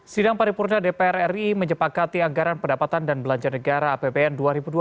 sidang paripurna dpr ri menjepakati anggaran pendapatan dan belanja negara apbn dua ribu dua puluh